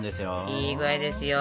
いい具合ですよ。